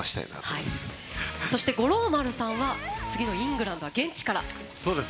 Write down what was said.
そして五郎丸さんは次のイングランドは現地から。